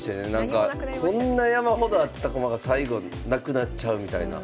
こんな山ほどあった駒が最後なくなっちゃうみたいな。